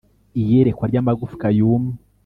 Iyerekwa ry amagufwa yumye